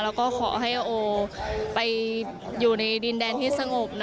แล้วก็ขอให้โอไปอยู่ในดินแดนที่สงบ